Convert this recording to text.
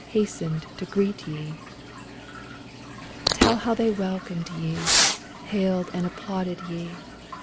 Hastened to greet ye ! Tell how they welcomed ye, Hailed and applauded ye.